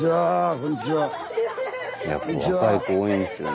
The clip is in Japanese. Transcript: ここ若い子多いんですよね。